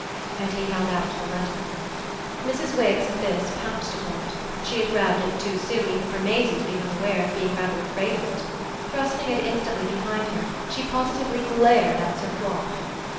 And he held out the letter. Mrs. Wix, at this, pounced upon it; she had grabbed it too soon even for Maisie to become aware of being rather afraid of it. Thrusting it instantly behind her she positively glared at Sir Claude.